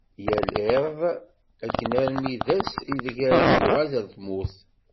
Yal iḍ akken armi d ass ideg ara d-yuɣal ɣer tmurt.